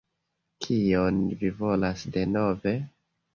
Kion vi volas denove?